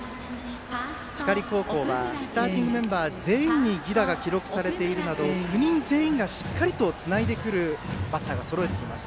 光高校はスターティングメンバー全員に犠打が記録されているなど９人全員しっかりとつないでくるバッターをそろえてきます。